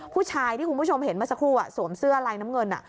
ผู้ชายที่คุณผู้ชมเห็นเมื่อสักครู่สวมเสื้อลายน้ำเงิน